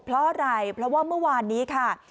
เพราะอะไรเพราะว่าเมื่อวานนี้ค่ะ